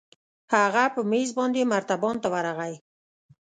هغه په مېز باندې مرتبان ته ورغى.